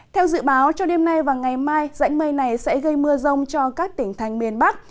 theo dự báo cho đêm nay và ngày mai rãnh mây này sẽ gây mưa rông cho các tỉnh thành miền bắc